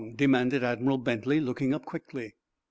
demanded Admiral Bentley, looking up quickly.